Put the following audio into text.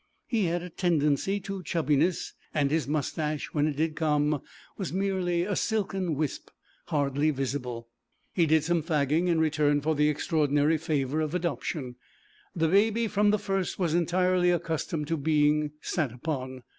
He had a tendency to chubbiness, and his moustache, when it did come, was merely a silken whisp, hardly visible. He did some fagging in return for the extraordinary favour of adoption. The Baby from the first was entirely accustomed to being 'sat upon.'